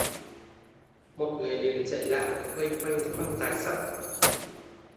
Mọi người liền chạy lại vây quanh cái quan tài sắt